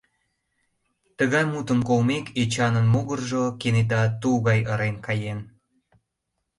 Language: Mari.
Тыгай мутым колмек, Эчанын могыржо кенета тул гай ырен каен.